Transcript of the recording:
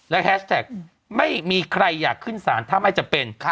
แล้วแฮซ์แสต็อกไม่มีใครอยากขึ้นศาลถ้าไม่จะเป็น